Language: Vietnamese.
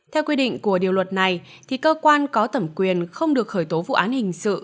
theo quy định của điều luật này thì cơ quan có thẩm quyền không được khởi tố vụ án hình sự